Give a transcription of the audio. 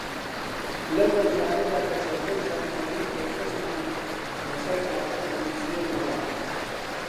لەم ڕۆژانەدا کە سەرجەم زانیاری بەردەستمان لەسەر کاغەز دەنووسرێنەوە